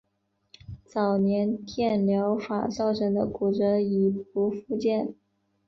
早年电疗法造成的骨折已不复见。